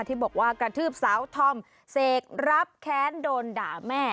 ที่บอกว่ากระทืบสาวธอมเสกรับแค้นโดนด่าแม่